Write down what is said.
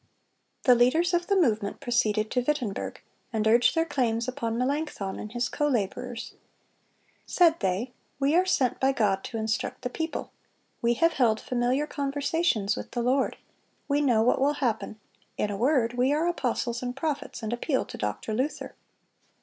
The leaders of the movement proceeded to Wittenberg, and urged their claims upon Melanchthon and his co laborers. Said they: "We are sent by God to instruct the people. We have held familiar conversations with the Lord; we know what will happen; in a word, we are apostles and prophets, and appeal to Doctor Luther."